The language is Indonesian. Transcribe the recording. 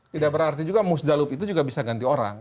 tidak berarti juga musdalub itu juga bisa ganti orang